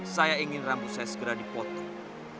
saya ingin rambu saya segera dipotong